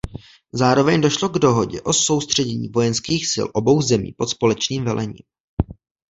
Zároveň došlo k dohodě o soustředění vojenských sil obou zemí pod společným velením.